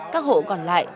các hộ còn lại